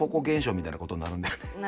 現象みたいなことになるんだよね。